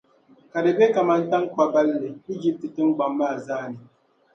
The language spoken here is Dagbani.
ka di be kaman taŋkpa’ balli Ijipti tiŋgbɔŋ maa zaa ni.